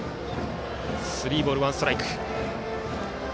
スリーボール、ワンストライク。